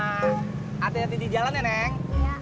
hati hati di jalan ya neng